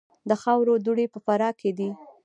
د خاورو دوړې په فراه کې دي